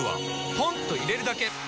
ポンと入れるだけ！